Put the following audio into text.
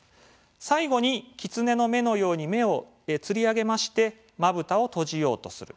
最後に、キツネの目のように目をつり上げましてまぶたを閉じようとする。